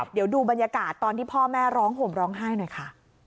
เดี๋ยวดูบรรยากาศตอนที่พ่อแม่ร้องห่มร้องไห้หน่อยค่ะ